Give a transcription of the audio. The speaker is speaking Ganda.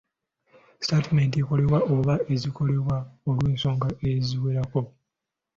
Sitaatimenti ekolebwa oba zikolebwa olw'ensonga eziwerako.